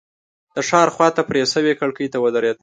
د ښار خواته پرې شوې کړکۍ ته ودرېد.